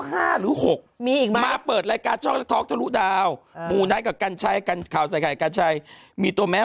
ห้ารู้ของมีอีกมีมาเปิดรายการช่องและท๊อกทะลุดาวหูนักการใช้กันค้าวคลัยกันใช้มีตัวแม่